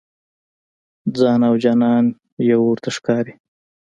ځان او جانان یو ورته ښکاري.